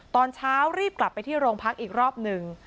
ตอนเช้ารีบกลับไปที่โรงพักอีกรอบหนึ่ง